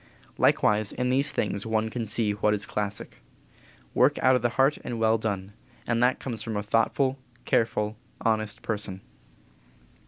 Likewise in these things one can see what is classic work out of the heart and well done, and that comes from a thoughtful, careful, honest person.